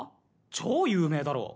超有名だろ。